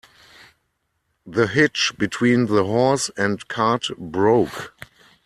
The hitch between the horse and cart broke.